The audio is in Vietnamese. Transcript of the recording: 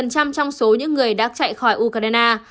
một trong số những người đã chạy khỏi ukraine